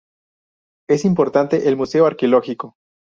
Es importante el museo arqueológico.